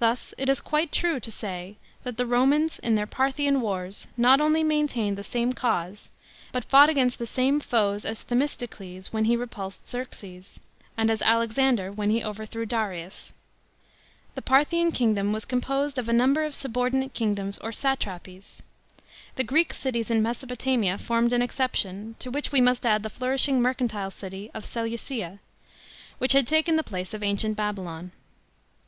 Thus it is quite true to say that the Romans in their Parthian wars not only maintained the same cause but fought against the same ito C3 Themistocles when he repulsed Xerxes, and as Alexander ^JjEJ fa@ overthrew Darin a. The Parthian kingdom was composed e£ C 118 ROME AND PARTHTA. CHAP. vm. number of subordinate kingdoms or satrapies. The Greek cities in Mesopotamia formed an exception, to which we must add the flourishing mercantile city of Seleucia, which had taken the place of ancient Babylon.